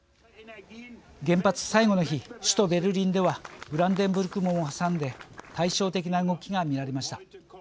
原発最後の日首都ベルリンではブランデンブルク門を挟んで対照的な動きが見られました。